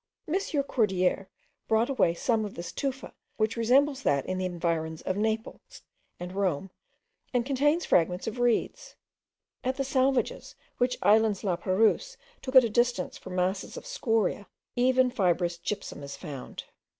M. Cordier brought away some of this tufa, which resembles that in the environs of Naples and Rome, and contains fragments of reeds. At the Salvages, which islands La Perouse took at a distance for masses of scoriae, even fibrous gypsum is found.